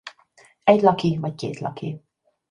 Egylaki vagy kétlaki.